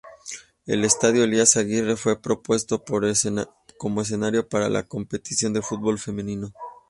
El Estadio Elías Aguirre fue propuesto como escenario para la competición de fútbol femenino.